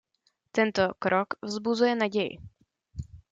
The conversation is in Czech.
Tento krok vzbuzuje naději.